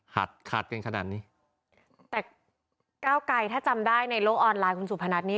หัดขาดกันขนาดนี้แต่ก้าวไกลถ้าจำได้ในโลกออนไลน์คุณสุพนัทนี้